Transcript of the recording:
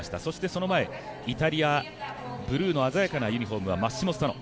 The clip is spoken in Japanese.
その前、イタリアブルーの鮮やかなユニフォームはマッシモ・スタノ。